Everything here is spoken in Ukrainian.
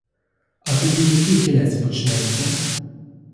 А тоді який кінець почнеться?